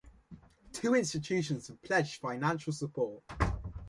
Two institutions have pledged financial support.